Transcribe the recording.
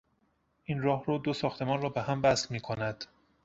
این راهرو دو ساختمان را بهم وصل میکند.